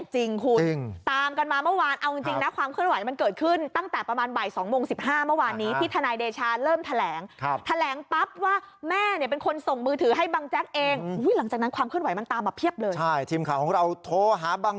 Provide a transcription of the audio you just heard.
จริงคุณตามกันมาเมื่อวานเอาจริงนะความเคลื่อนไหวมันเกิดขึ้นตั้งแต่ประมาณบ่ายสองโมง๑๕เมื่อวานนี้ที่ทนายเดชาเริ่มแถลงแถลงปั๊บว่าแม่เนี่ยเป็นคนส่งมือถือให้บังแจ๊กเองหลังจากนั้นความเคลื่อนไหวมันตามมาเพียบเลยใช่ทีมข่าวของเราโทรหาบัง